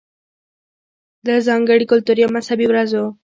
ده ځانګړې کلتوري يا مذهبي ورځو